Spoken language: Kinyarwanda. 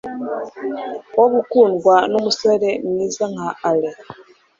uwo gukundwa numusore mwiza nka Henry